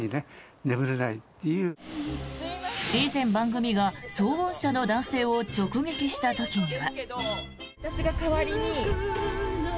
以前、番組が騒音車の男性を直撃した時には。